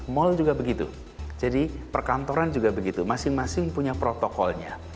mal juga begitu jadi perkantoran juga begitu masing masing punya protokolnya